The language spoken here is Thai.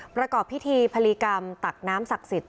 ประกอบพิธีพลีกรรมตักน้ำศักดิ์สิทธิ